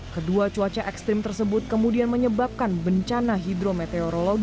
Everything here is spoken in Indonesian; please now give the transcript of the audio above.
kedua cuaca ekstrim tersebut kemudian menyebabkan bencana hidrometeorologi